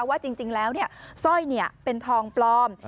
ว่าจริงแล้วสร้อยเป็นทองปลอม